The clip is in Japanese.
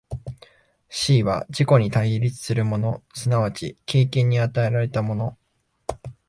思惟は自己に対立するもの即ち経験に与えられたもの、